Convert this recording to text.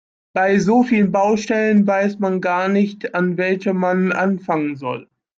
Bei so vielen Baustellen weiß man gar nicht, an welcher man anfangen soll.